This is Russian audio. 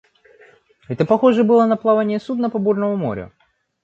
Это похоже было на плавание судна по бурному морю.